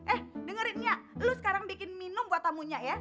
eh dengerin ya lu sekarang bikin minum buat tamunya ya